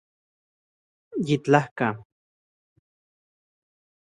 Yitlajka